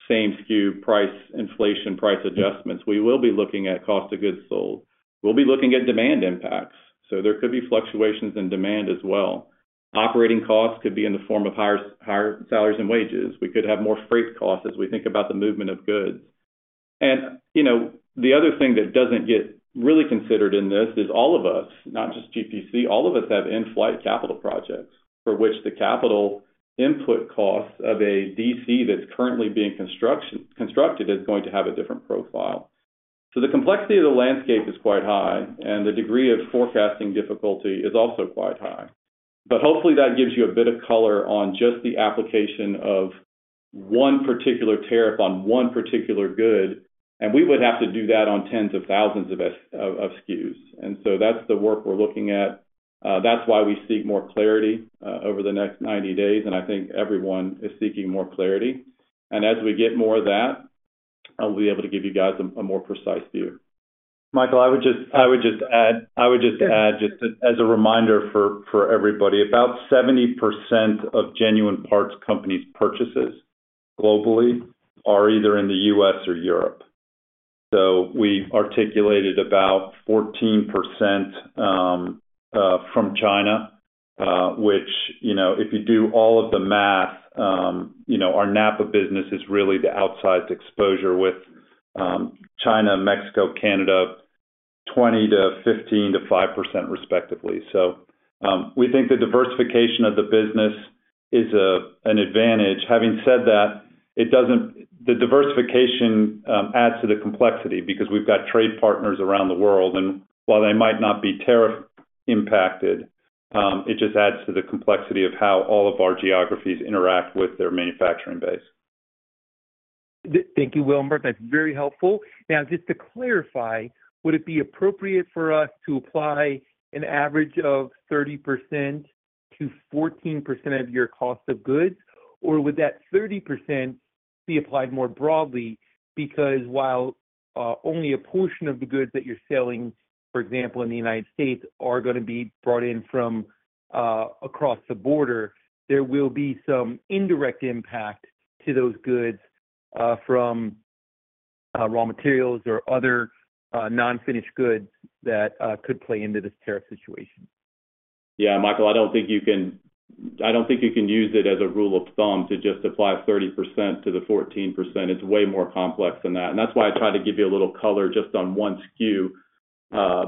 same SKU price inflation, price adjustments. We will be looking at cost of goods sold. We will be looking at demand impacts. There could be fluctuations in demand as well. Operating costs could be in the form of higher salaries and wages. We could have more freight costs as we think about the movement of goods. The other thing that does not get really considered in this is all of us, not just GPC, all of us have in-flight capital projects for which the capital input costs of a DC that is currently being constructed is going to have a different profile. The complexity of the landscape is quite high, and the degree of forecasting difficulty is also quite high. Hopefully, that gives you a bit of color on just the application of one particular tariff on one particular good. We would have to do that on tens of thousands of SKUs. That is the work we are looking at. That is why we seek more clarity over the next 90 days. I think everyone is seeking more clarity. As we get more of that, I will be able to give you guys a more precise view. Michael, I would just add, I would just add just as a reminder for everybody, about 70% of Genuine Parts Company's purchases globally are either in the U.S. or Europe. We articulated about 14% from China, which if you do all of the math, our NAPA business is really the outsized exposure with China, Mexico, Canada, 20%-15%-5% respectively. We think the diversification of the business is an advantage. Having said that, the diversification adds to the complexity because we have trade partners around the world. While they might not be tariff impacted, it just adds to the complexity of how all of our geographies interact with their manufacturing base. Thank you, Will and Bert. That's very helpful. Now, just to clarify, would it be appropriate for us to apply an average of 30% to 14% of your cost of goods, or would that 30% be applied more broadly because while only a portion of the goods that you're selling, for example, in the United States are going to be brought in from across the border, there will be some indirect impact to those goods from raw materials or other non-finished goods that could play into this tariff situation? Yeah, Michael, I don't think you can, I don't think you can use it as a rule of thumb to just apply 30% to the 14%. It's way more complex than that. That's why I tried to give you a little color just on one SKU.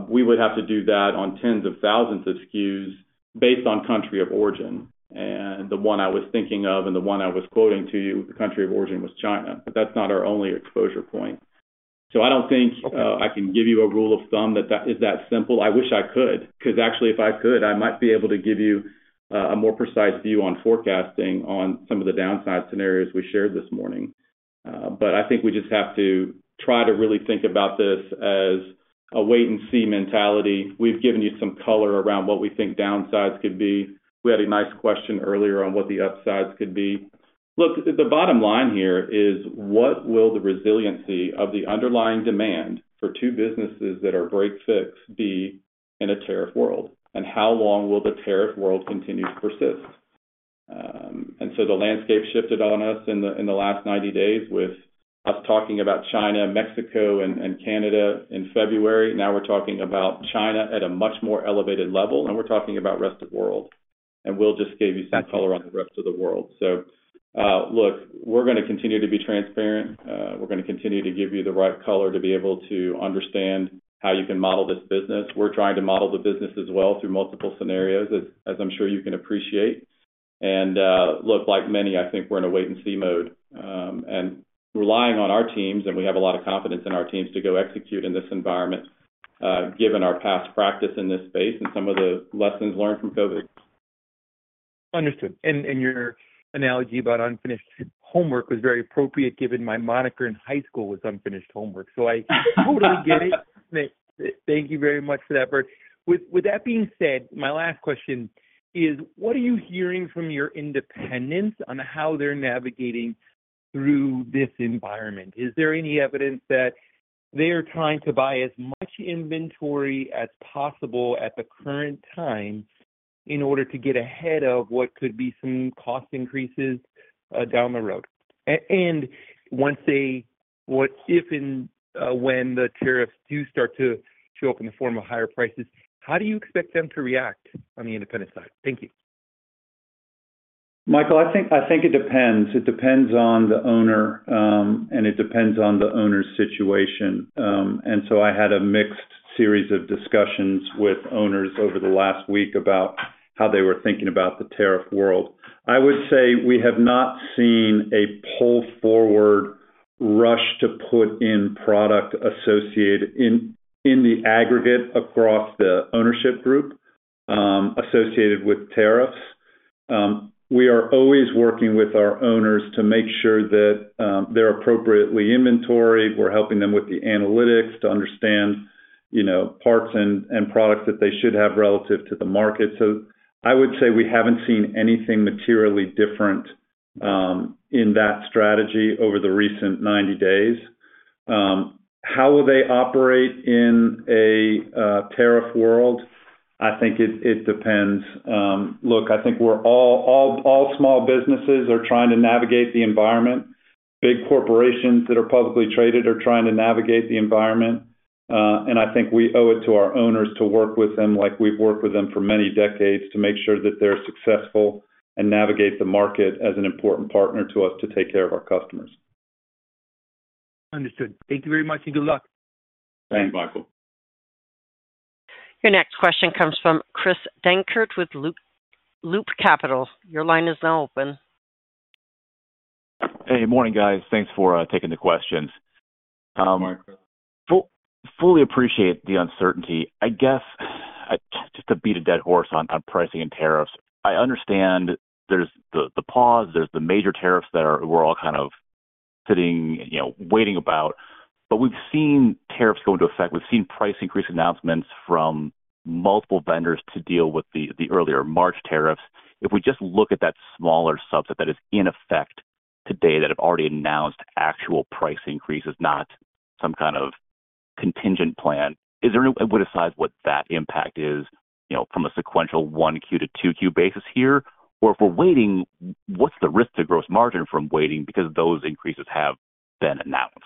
We would have to do that on tens of thousands of SKUs based on country of origin. The one I was thinking of and the one I was quoting to you, the country of origin was China. That is not our only exposure point. I do not think I can give you a rule of thumb that is that simple. I wish I could because actually, if I could, I might be able to give you a more precise view on forecasting on some of the downside scenarios we shared this morning. I think we just have to try to really think about this as a wait-and-see mentality. We have given you some color around what we think downsides could be. We had a nice question earlier on what the upsides could be. Look, the bottom line here is what will the resiliency of the underlying demand for two businesses that are break-fix be in a tariff world? How long will the tariff world continue to persist? The landscape shifted on us in the last 90 days with us talking about China, Mexico, and Canada in February. Now we're talking about China at a much more elevated level, and we're talking about the rest of the world. We'll just give you some color on the rest of the world. Look, we're going to continue to be transparent. We're going to continue to give you the right color to be able to understand how you can model this business. We're trying to model the business as well through multiple scenarios, as I'm sure you can appreciate. Like many, I think we're in a wait-and-see mode and relying on our teams. We have a lot of confidence in our teams to go execute in this environment, given our past practice in this space and some of the lessons learned from COVID. Understood. Your analogy about unfinished homework was very appropriate given my moniker in high school was unfinished homework. I totally get it. Thank you very much for that, Bert. With that being said, my last question is, what are you hearing from your independents on how they're navigating through this environment? Is there any evidence that they are trying to buy as much inventory as possible at the current time in order to get ahead of what could be some cost increases down the road? If and when the tariffs do start to show up in the form of higher prices, how do you expect them to react on the independent side? Thank you. Michael, I think it depends. It depends on the owner, and it depends on the owner's situation. I had a mixed series of discussions with owners over the last week about how they were thinking about the tariff world. I would say we have not seen a pull-forward rush to put in product associated in the aggregate across the ownership group associated with tariffs. We are always working with our owners to make sure that they're appropriately inventoried. We're helping them with the analytics to understand parts and products that they should have relative to the market. I would say we haven't seen anything materially different in that strategy over the recent 90 days. How will they operate in a tariff world? I think it depends. I think all small businesses are trying to navigate the environment. Big corporations that are publicly traded are trying to navigate the environment. I think we owe it to our owners to work with them like we've worked with them for many decades to make sure that they're successful and navigate the market as an important partner to us to take care of our customers. Understood. Thank you very much and good luck. Thanks, Michael. Your next question comes from Chris Dankert with Loop Capital. Your line is now open. Hey, morning, guys. Thanks for taking the questions. Fully appreciate the uncertainty. I guess just to beat a dead horse on pricing and tariffs, I understand there's the pause. There's the major tariffs that we're all kind of sitting, waiting about. We have seen tariffs go into effect. We have seen price increase announcements from multiple vendors to deal with the earlier March tariffs. If we just look at that smaller subset that is in effect today that have already announced actual price increases, not some kind of contingent plan, is there any way to size what that impact is from a sequential 1Q to 2Q basis here? If we're waiting, what's the risk to gross margin from waiting because those increases have been announced?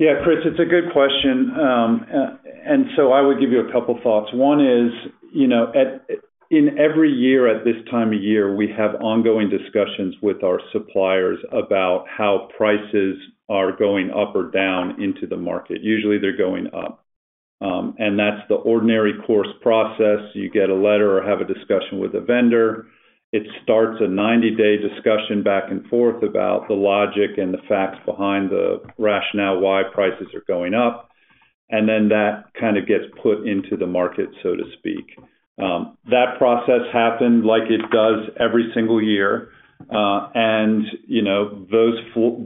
Yeah, Chris, it's a good question. I would give you a couple of thoughts. One is, in every year at this time of year, we have ongoing discussions with our suppliers about how prices are going up or down into the market. Usually, they're going up. That's the ordinary course process. You get a letter or have a discussion with a vendor. It starts a 90-day discussion back and forth about the logic and the facts behind the rationale why prices are going up. That kind of gets put into the market, so to speak. That process happened like it does every single year. Those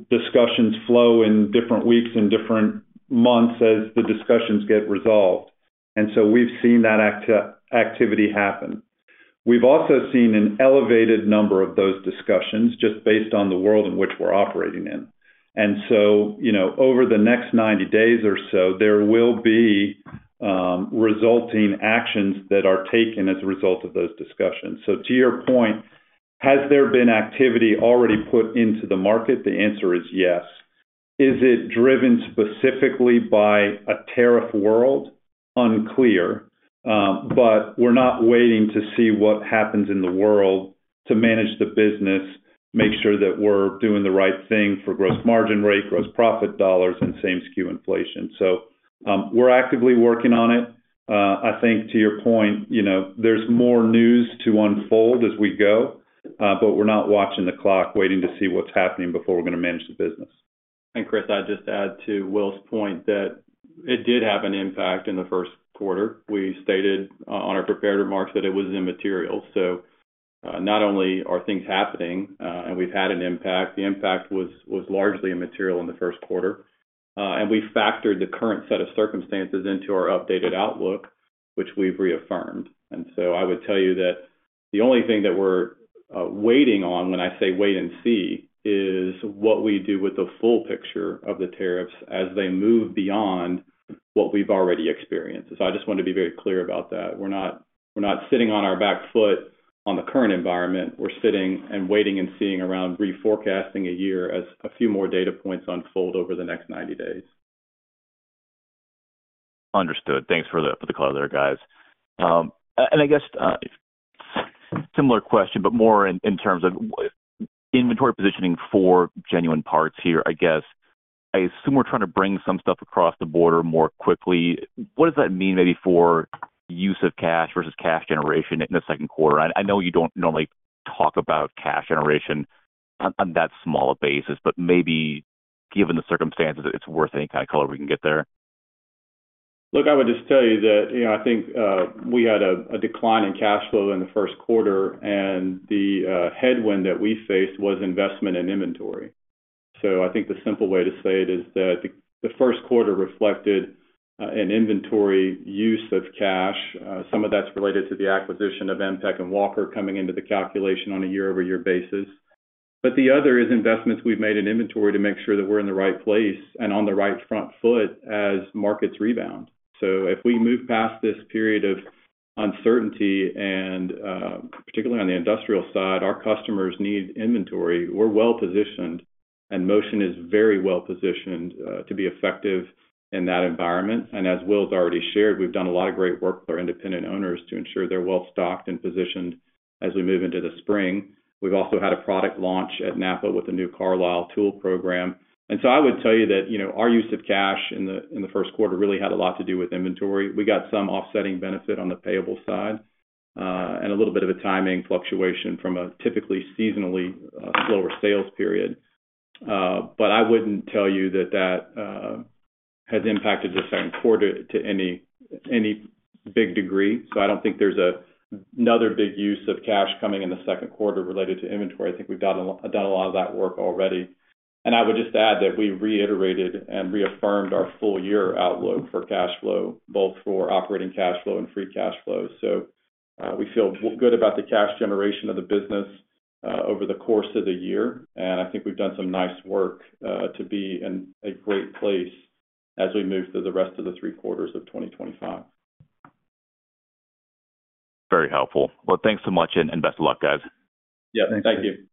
discussions flow in different weeks and different months as the discussions get resolved. We have seen that activity happen. We have also seen an elevated number of those discussions just based on the world in which we are operating in. Over the next 90 days or so, there will be resulting actions that are taken as a result of those discussions. To your point, has there been activity already put into the market? The answer is yes. Is it driven specifically by a tariff world? Unclear. We're not waiting to see what happens in the world to manage the business, make sure that we're doing the right thing for gross margin rate, gross profit dollars, and same SKU inflation. We're actively working on it. I think to your point, there's more news to unfold as we go, but we're not watching the clock, waiting to see what's happening before we're going to manage the business. Chris, I'd just add to Will's point that it did have an impact in the first quarter. We stated on our prepared remarks that it was immaterial. Not only are things happening and we've had an impact, the impact was largely immaterial in the first quarter. We factored the current set of circumstances into our updated outlook, which we've reaffirmed. I would tell you that the only thing that we're waiting on, when I say wait and see, is what we do with the full picture of the tariffs as they move beyond what we've already experienced. I just want to be very clear about that. We're not sitting on our back foot on the current environment. We're sitting and waiting and seeing around reforecasting a year as a few more data points unfold over the next 90 days. Understood. Thanks for the clarity there, guys. I guess similar question, but more in terms of inventory positioning for Genuine Parts Company here, I guess. I assume we're trying to bring some stuff across the border more quickly. What does that mean maybe for use of cash versus cash generation in the second quarter? I know you do not normally talk about cash generation on that smaller basis, but maybe given the circumstances, it is worth any kind of color we can get there. Look, I would just tell you that I think we had a decline in cash flow in the first quarter. The headwind that we faced was investment in inventory. I think the simple way to say it is that the first quarter reflected an inventory use of cash. Some of that is related to the acquisition of MPEC and Walker coming into the calculation on a year-over-year basis. The other is investments we have made in inventory to make sure that we are in the right place and on the right front foot as markets rebound. If we move past this period of uncertainty, and particularly on the industrial side, our customers need inventory. We're well-positioned, and Motion is very well-positioned to be effective in that environment. As Will's already shared, we've done a lot of great work with our independent owners to ensure they're well-stocked and positioned as we move into the spring. We've also had a product launch at NAPA with a new Carlyle tool program. I would tell you that our use of cash in the first quarter really had a lot to do with inventory. We got some offsetting benefit on the payable side and a little bit of a timing fluctuation from a typically seasonally slower sales period. I wouldn't tell you that that has impacted the second quarter to any big degree. I don't think there's another big use of cash coming in the second quarter related to inventory. I think we've done a lot of that work already. I would just add that we reiterated and reaffirmed our full year outlook for cash flow, both for operating cash flow and free cash flow. We feel good about the cash generation of the business over the course of the year. I think we've done some nice work to be in a great place as we move through the rest of the three quarters of 2025. Very helpful. Thanks so much and best of luck, guys. Thank you.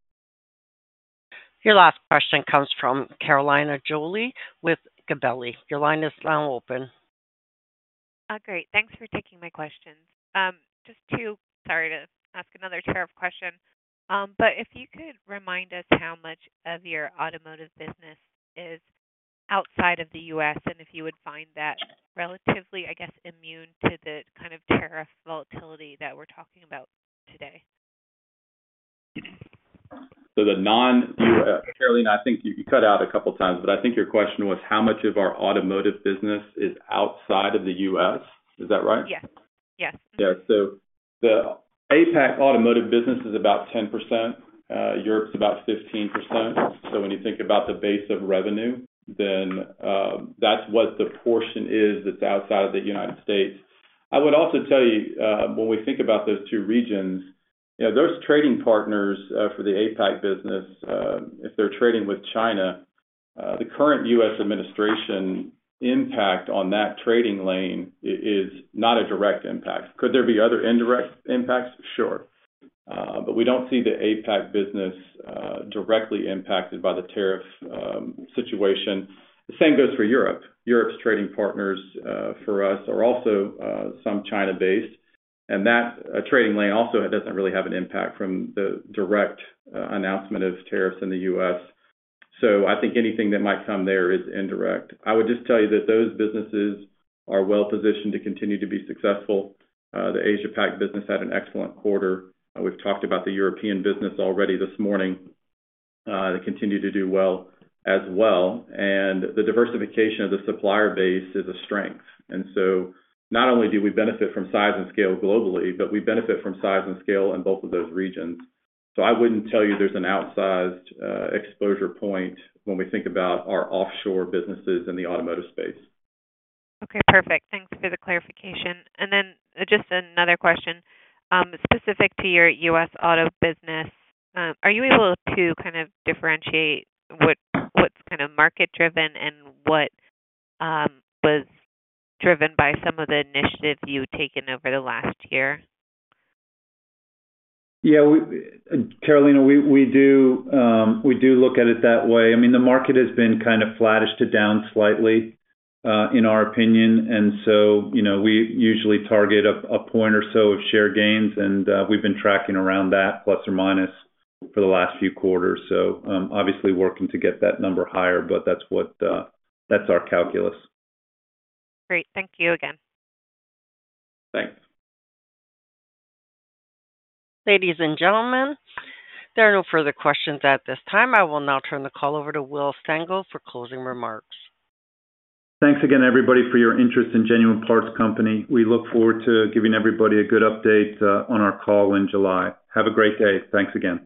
Your last question comes from Carolina Jolly with Gabelli. Your line is now open. Great. Thanks for taking my questions. Just too, sorry to ask another tariff question, but if you could remind us how much of your automotive business is outside of the U.S. and if you would find that relatively, I guess, immune to the kind of tariff volatility that we're talking about today. The non-U.S., Carolina, I think you cut out a couple of times, but I think your question was how much of our automotive business is outside of the U.S. Is that right? Yes. Yes. Yeah. The APAC automotive business is about 10%. Europe's about 15%. When you think about the base of revenue, then that's what the portion is that's outside of the United States. I would also tell you, when we think about those two regions, those trading partners for the APAC business, if they're trading with China, the current U.S. administration impact on that trading lane is not a direct impact. Could there be other indirect impacts? Sure. We do not see the APAC business directly impacted by the tariff situation. The same goes for Europe. Europe's trading partners for us are also some China-based. That trading lane also does not really have an impact from the direct announcement of tariffs in the U.S. I think anything that might come there is indirect. I would just tell you that those businesses are well-positioned to continue to be successful. The Asia-Pacific business had an excellent quarter. We have talked about the European business already this morning. They continue to do well as well. The diversification of the supplier base is a strength. Not only do we benefit from size and scale globally, but we benefit from size and scale in both of those regions. I would not tell you there is an outsized exposure point when we think about our offshore businesses in the automotive space. Okay. Perfect. Thanks for the clarification. Just another question specific to your U.S. auto business. Are you able to kind of differentiate what's kind of market-driven and what was driven by some of the initiatives you've taken over the last year? Yeah. Carolina, we do look at it that way. I mean, the market has been kind of flattish to down slightly, in our opinion. We usually target a point or so of share gains, and we've been tracking around that plus or minus for the last few quarters. Obviously working to get that number higher, but that's our calculus. Great. Thank you again. Thanks. Ladies and gentlemen, there are no further questions at this time. I will now turn the call over to Will Stengel for closing remarks. Thanks again, everybody, for your interest in Genuine Parts Company. We look forward to giving everybody a good update on our call in July. Have a great day. Thanks again.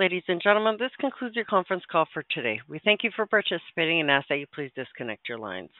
Ladies and gentlemen, this concludes your conference call for today. We thank you for participating and ask that you please disconnect your lines.